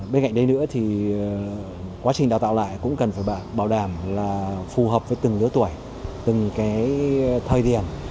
bên cạnh đây nữa thì quá trình đào tạo lại cũng cần phải bảo đảm là phù hợp với từng lứa tuổi từng cái thời điểm